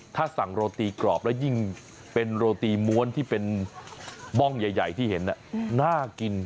ถ้าสั่งโรตีกรอบแล้วยิ่งเป็นโรตีม้วนที่เป็นบ้องใหญ่ที่เห็นน่ากิน